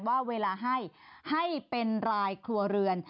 ว่าเวลาให้ให้เป็นรายครัวเรือน